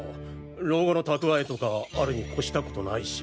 老後の蓄えとかあるに越した事ないし。